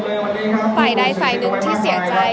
เพราะว่าทุกครั้งที่หนูพูดมันจะมีฝ่ายใดฝ่ายนุ่งที่เสียใจ